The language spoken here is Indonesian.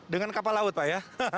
dengan kapal laut ya pak